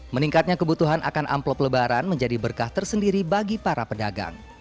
meningkatnya kebutuhan akan amplop lebaran menjadi berkah tersendiri bagi para pedagang